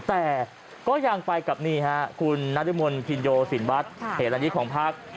แต่ก็ยังไปกับนี่ฮะคุณนรมนภินโยสินวัฒน์เหตุอันนี้ของพัก